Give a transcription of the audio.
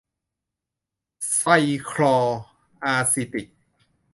ไทรคลออาซิติก